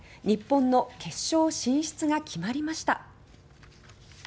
日本の決勝進出が決まりました。